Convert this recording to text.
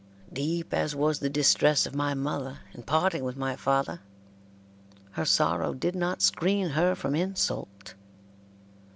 Deep as was the distress of my mother in parting with my father, her sorrow did not screen her from insult.